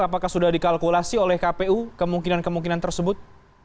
apakah sudah dikalkulasi oleh kpu kemungkinan kemungkinan tersebut